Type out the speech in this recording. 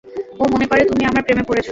ও মনে করে তুমি আমার প্রেমে পড়েছো।